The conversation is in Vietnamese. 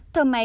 thổ máy bảy